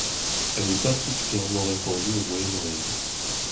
Elle est particulièrement répandue au Moyen-Orient.